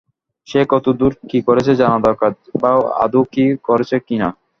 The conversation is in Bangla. সে কতদূর কি করেছে জানা দরকার, বা আদৌ কিছু করেছে কি না।